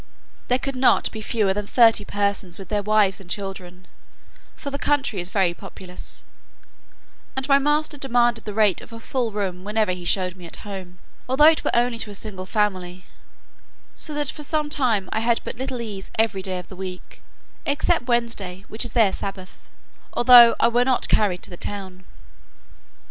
There could not be fewer than thirty persons with their wives and children (for the country is very populous;) and my master demanded the rate of a full room whenever he showed me at home, although it were only to a single family; so that for some time I had but little ease every day of the week (except Wednesday, which is their Sabbath,) although I were not carried to the town.